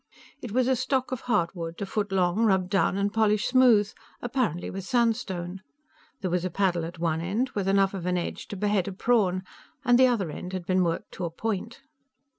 It was a stock of hardwood a foot long, rubbed down and polished smooth, apparently with sandstone. There was a paddle at one end, with enough of an edge to behead a prawn, and the other end had been worked to a point.